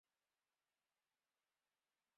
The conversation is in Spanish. Mona Lisa nació en el seno de una familia bengalí.